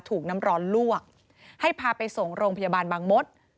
ถูกน้ำร้อนลวกให้พาไปส่งโรงพยาบาลบางมศ